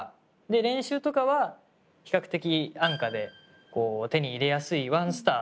練習とかは比較的安価で手に入れやすいワンスター。